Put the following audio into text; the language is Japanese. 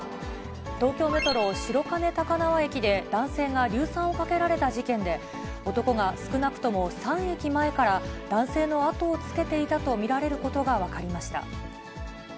東京メトロ白金高輪駅で、男性が硫酸をかけられた事件で、男が少なくとも３駅前から、男性の後をつけていたと見られることが分かりました。